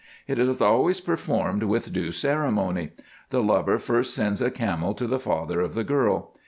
It is always performed with due ceremony. The lover first sends a camel to the father of the girl.